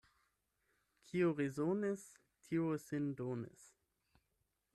Kiu resonis, tiu sin donis.